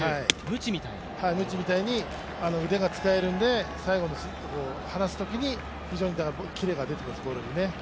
むちみたいに腕が使えるんで、最後離すときに非常にキレが出てくるんですね、ボールに。